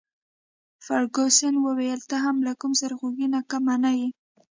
فرګوسن وویل: ته هم له کوم سرخوږي نه کم نه يې.